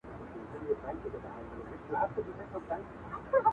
نه يوې خوا ته رهي سول ټول سرونه!